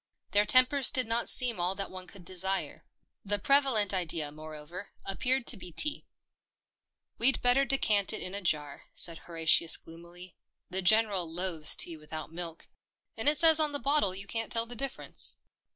Their tempers did not seem all that one could desire. The preva lent idea, moreover, appeared to be tea. "We'd better decant it, in a jar," said Horatius gloomily. " The General loathes THE PEPNOTISED MILK 157 tea without milk, and it says on the bottle you can't tell the difference."